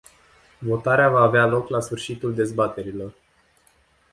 Votarea va avea loc la sfârșitul dezbaterilor.